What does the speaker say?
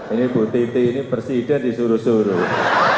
ini bu titi ini presiden disuruh suruh